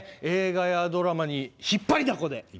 映画やドラマに引っ張りだこで。